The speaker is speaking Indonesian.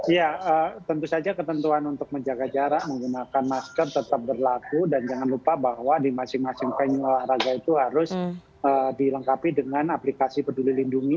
ya tentu saja ketentuan untuk menjaga jarak menggunakan masker tetap berlaku dan jangan lupa bahwa di masing masing venue olahraga itu harus dilengkapi dengan aplikasi peduli lindungi